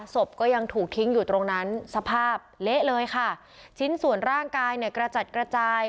ศพก็ยังถูกทิ้งอยู่ตรงนั้นสภาพเละเลยค่ะชิ้นส่วนร่างกายเนี่ยกระจัดกระจาย